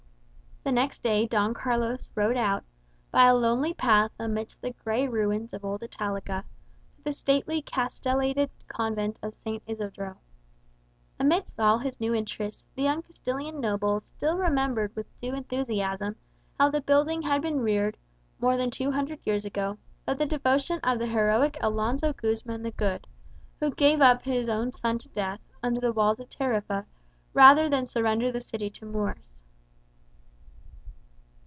The next day Don Carlos rode out, by a lonely path amidst the gray ruins of old Italica, to the stately castellated convent of San Isodro. Amidst all his new interests, the young Castilian noble still remembered with due enthusiasm how the building had been reared, more than two hundred years ago, by the devotion of the heroic Alonzo Guzman the Good, who gave up his own son to death, under the walls of Tarifa, rather than surrender the city to the Moors.